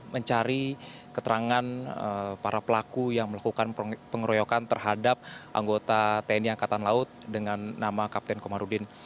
mencari keterangan para pelaku yang melakukan pengeroyokan terhadap anggota tni angkatan laut dengan nama kapten komarudin